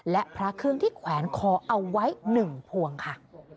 และพระเครื่องที่แขวนคอเอาไว้๑พวงค่ะ